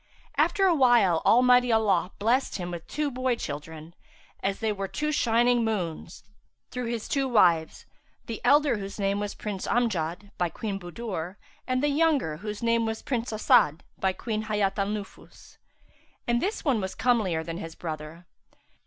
After a while Almighty Allah blessed him with two boy children, as they were two shining moons, through his two wives; the elder whose name was Prince Amjad,[FN#356] by Queen Budur, and the younger whose name was Prince As'ad by Queen Hayat al Nufus; and this one was comelier than his brother.